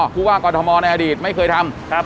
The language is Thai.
ผู้ว่ากรทมในอดีตไม่เคยทำ